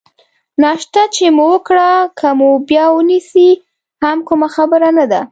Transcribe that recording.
ناشته چې مو وکړه، که مو بیا ونیسي هم کومه خبره نه ده.